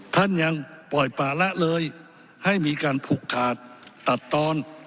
ท่านยังปล่อยป่าละเลยให้มีการผูกขาดตัดตอน